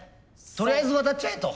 とりあえず渡っちゃえと。